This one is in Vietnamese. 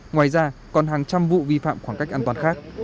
ngoài ra còn hàng trăm vụ vi phạm khoảng cách an toàn khác